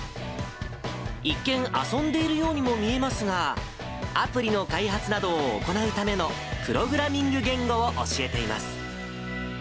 一見、遊んでいるようにも見えますが、アプリの開発などを行うためのプログラミング言語を教えています。